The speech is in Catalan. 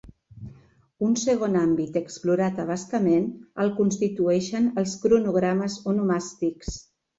Un segon àmbit explorat a bastament el constitueixen els cronogrames onomàstics.